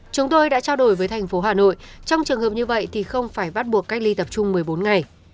chúng tôi đã trao đổi với thành phố hà nội trong trường hợp như vậy thì không phải bắt buộc cách ly tập trung một mươi bốn ngày